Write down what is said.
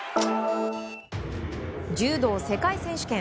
柔道世界選手権。